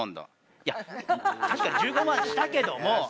いや確かに１５万したけども。